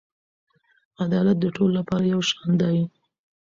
عدالت د ټولو لپاره یو شان دی.